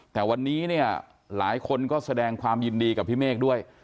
แต่วันนี้เนี่ยหลายคนก็แสดงความยินดีกับพี่เมฆด้วย